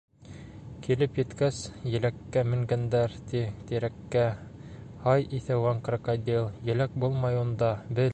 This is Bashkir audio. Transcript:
Килеп еткәс еләккә Менгәндәр, ти, тирәккә, Һай иҫәуән крокодил, Еләк булмай унда, бел!